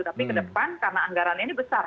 tapi ke depan karena anggarannya ini besar